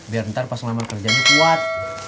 biar ntar pas lama kerjanya kuat